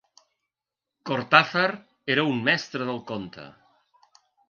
Cortázar era un mestre del conte.